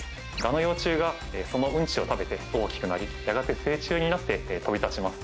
蛾の幼虫がそのうんちを食べて大きくなり、やがて成虫になって飛び立ちます。